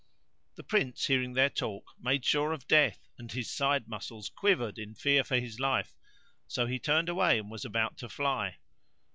The Prince hearing their talk, made sure of death and his side muscles quivered in fear for his life, so he turned away and was about to fly.